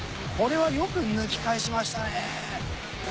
これはよく抜き返しましたね。